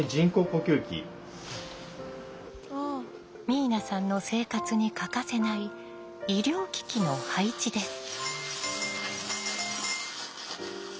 明奈さんの生活に欠かせない医療機器の配置です。